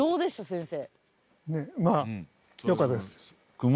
先生？